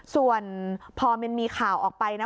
ส่วนพอมันมีข่าวออกไปนะ